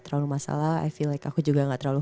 terlalu masalah i feel like aku juga gak terlalu